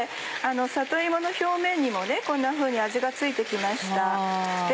里芋の表面にもこんなふうに味が付いて来ました。